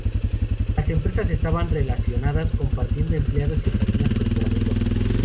Las empresas estaban relacionadas, compartiendo empleados y oficinas corporativas.